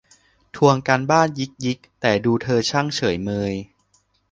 ทวงการบ้านยิกยิก แต่ดูเธอช่างเฉยเมย